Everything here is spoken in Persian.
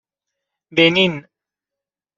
بنین